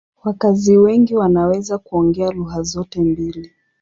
Wakazi wengi wanaweza kuongea lugha zote mbili.